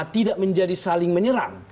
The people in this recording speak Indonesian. tidak menjadi saling menyerang